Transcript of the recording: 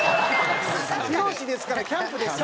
「ヒロシです」から「キャンプです」？